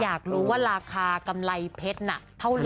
อยากรู้ว่าราคากำไรเพชรน่ะเท่าไห